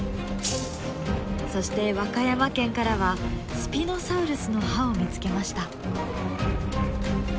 そして和歌山県からはスピノサウルスの歯を見つけました。